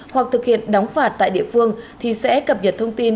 hoặc thực hiện đóng phạt tại địa phương thì sẽ cập nhật thông tin